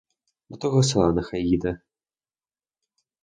До того села нехай іде.